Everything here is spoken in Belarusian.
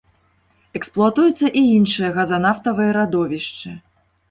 Эксплуатуюцца і іншыя газанафтавыя радовішчы.